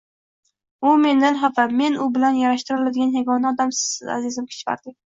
U mendan xafa… Meni u bilan yarashtira oladigan yagona odam sizsiz, azizim Kishvardi…